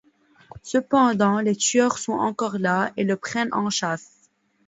Cependant, les tueurs sont encore là et le prennent en chasse.